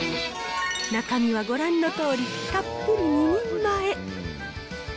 中身はご覧のとおり、たっぷり２人前。